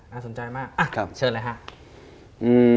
น่าสนใจมากเชิญเลยครับ